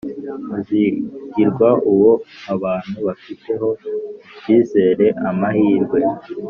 muzigirwa: uwo abantu bafiteho ikizere, amahirwe